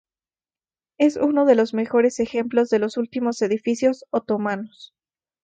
Es uno de los mejores ejemplos de los últimos edificios otomanos.